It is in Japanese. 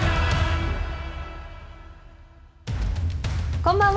こんばんは。